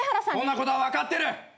そんなことは分かってる！